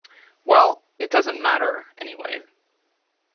Well, it doesn't matter, anyway.